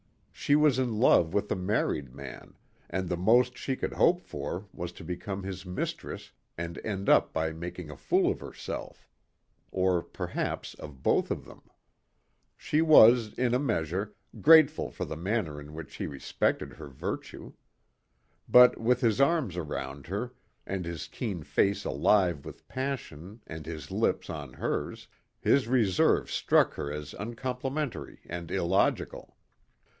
She was in love with a married man and the most she could hope for was to become his mistress and end up by making a fool of herself. Or perhaps of both of them. She was, in a measure, grateful for the manner in which he respected her virtue. But, with his arms around her and his keen face alive with passion and his lips on hers, his reserve struck her as uncomplimentary and illogical.